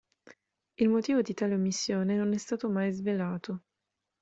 Il motivo di tale omissione non è stato mai svelato.